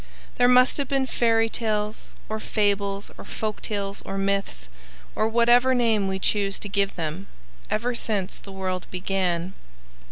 There must have been fairy tales (or fables, or folk tales, or myths, or whatever name we choose to give them) ever since the world began.